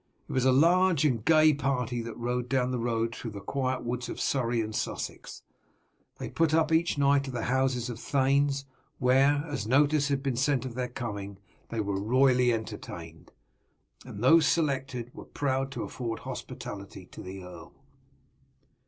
It was a large and gay party that rode down the road through the quiet woods of Surrey and Sussex. They put up each night at the houses of thanes, where, as notice had been sent of their coming, they were royally entertained, and those selected were proud to afford hospitality to the earl.